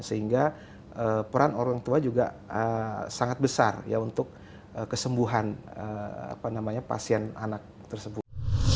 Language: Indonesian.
sehingga peran orang tua juga sangat besar untuk kesembuhan pasien anak tersebut